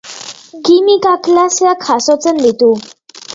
Kimika klaseak jasotzen ditu.